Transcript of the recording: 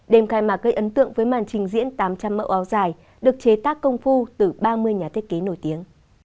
đêm khai mạc gây ấn tượng với màn trình diễn tám trăm linh mẫu áo dài được chế tác công phu từ ba mươi nhà thiết kế nổi tiếng